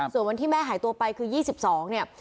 ส่วนวันที่แม่หายตัวไปคือ๒๒เนี่ย